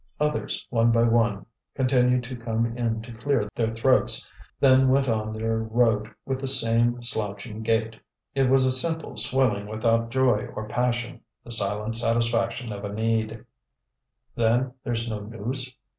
Others, one by one, continued to come in to clear their throats, then went on their road with the same slouching gait. It was a simple swilling without joy or passion, the silent satisfaction of a need. "Then, there's no news?"